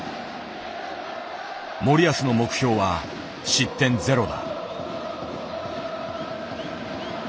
森保の目標は「失点ゼロ」だ。